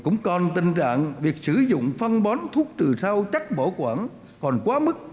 cũng còn tình trạng việc sử dụng phân bón thuốc trừ rau chất bổ quản còn quá mức